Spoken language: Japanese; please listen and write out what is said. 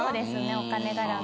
お金がらみの。